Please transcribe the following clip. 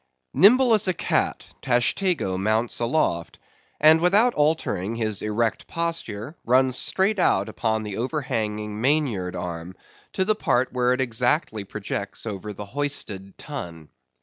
Nimble as a cat, Tashtego mounts aloft; and without altering his erect posture, runs straight out upon the overhanging mainyard arm, to the part where it exactly projects over the hoisted Tun.